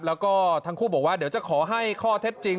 แล้วก็ทั้งคู่บอกว่าเดี๋ยวจะขอให้ข้อเท็จจริง